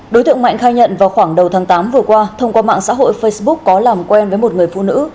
đối tượng mạnh khai nhận vào khoảng đầu tháng tám vừa qua thông qua mạng xã hội facebook có làm quen với một người phụ nữ